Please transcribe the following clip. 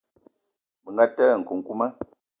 Bënga telé nkukuma.